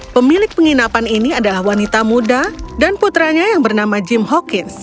pemilik penginapan ini adalah wanita muda dan putranya yang bernama jim hawkins